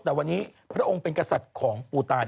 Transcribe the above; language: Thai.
แต่ว่าพระองค์เป็นกระจัดของภูตาล